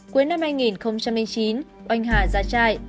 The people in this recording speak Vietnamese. cuối năm hai nghìn chín oanh hà ra chạy